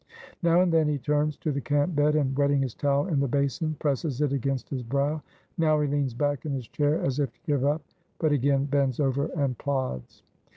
Now and then he turns to the camp bed, and wetting his towel in the basin, presses it against his brow. Now he leans back in his chair, as if to give up; but again bends over and plods.